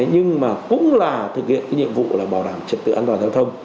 nhưng mà cũng là thực hiện cái nhiệm vụ là bảo đảm trật tự an toàn giao thông